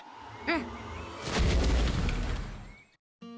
うん。